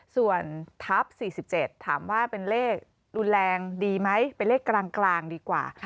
ส่วนทัพ๔๗ถามว่าเป็นเลขรุนแรงดีไหมเป็นเลขกลางดีกว่า